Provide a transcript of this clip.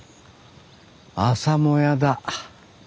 朝もやだ。